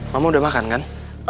ma udah makan kan